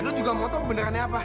edo juga mau tahu benerannya apa